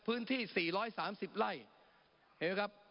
พื้นที่๔๓๐ไร่เห็นไหมครับ